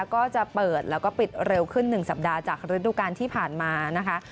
ก็จะเปิดแล้วก็ปิดเร็วขึ้น๑สัปดาห์จากฤดูการที่ผ่านมานะคะ